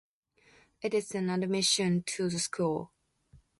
It is an animation to the school.